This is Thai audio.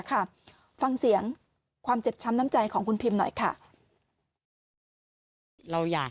ค่ะฟังเสียงความเจ็บช้ำน้ำใจของคุณพิมหน่อยค่ะเราอยาก